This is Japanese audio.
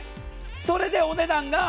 それでお値段が。